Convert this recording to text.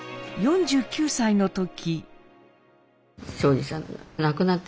４９歳の時。